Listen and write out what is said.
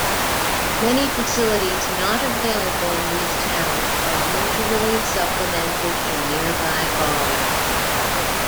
Many facilities not available in these towns are usually supplemented in nearby Gawler.